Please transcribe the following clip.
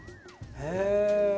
へえ。